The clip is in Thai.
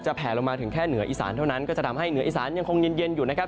แผลลงมาถึงแค่เหนืออีสานเท่านั้นก็จะทำให้เหนืออีสานยังคงเย็นอยู่นะครับ